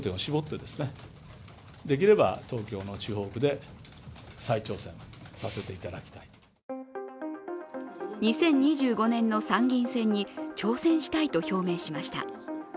政界引退かと思いきや２０２５年の参議院選に挑戦したいと表明しました。